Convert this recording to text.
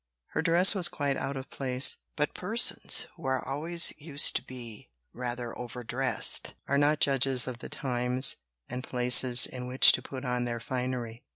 Her dress was quite out of place; but persons who are always used to be rather over dressed are not judges of the times and places in which to put on their finery.